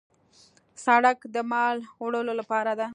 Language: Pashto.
سړک د مال وړلو لار ده.